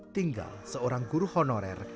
tinggal seorang guru honorer